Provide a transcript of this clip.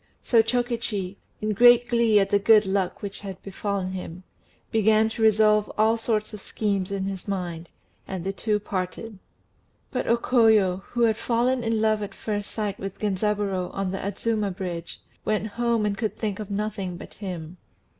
So Chokichi, in great glee at the good luck which had befallen him, began to revolve all sorts of schemes in his mind; and the two parted. But O Koyo, who had fallen in love at first sight with Genzaburô on the Adzuma Bridge, went home and could think of nothing but him.